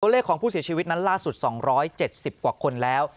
เลขของผู้เสียชีวิตนั้นล่าสุด๒๗๐กว่าคนแล้ว